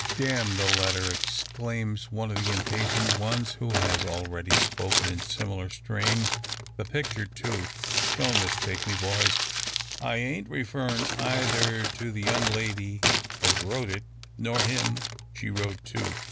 "Damn the letter!" exclaims one of the impatient ones, who has already spoken in similar strain; "the picture, too! Don't mistake me, boys. I ain't referrin' eyther to the young lady as wrote it, nor him she wrote to.